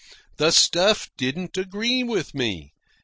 The stuff didn't agree with me.